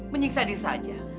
menyiksa diri saja